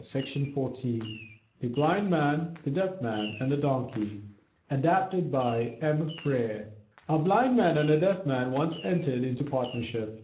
MYTHS OF INDIA THE BLIND MAN, THE DEAF MAN, AND THE DONKEY ADAPTED BY M. FRERE A Blind Man and a Deaf Man once entered into partnership.